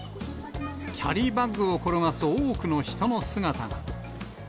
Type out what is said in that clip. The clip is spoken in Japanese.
キャリーバッグを転がす多くの人の姿が。